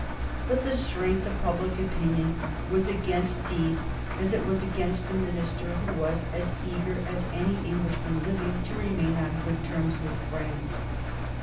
But the strength of public opinion was against these, as it was against the minister who was as eager as any Englishman living to remain on good terms with France.